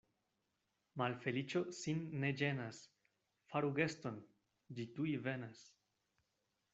Malfeliĉo sin ne ĝenas, faru geston — ĝi tuj venas.